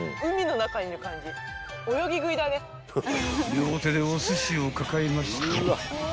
［両手でおすしを抱えまして］